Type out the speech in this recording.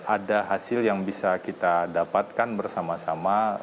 ada hasil yang bisa kita dapatkan bersama sama